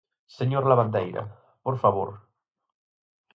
Señor Lavandeira, por favor.